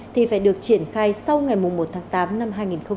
thì phải được triển khai sau ngày một tháng tám năm hai nghìn một mươi chín